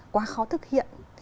quá khó thực hiện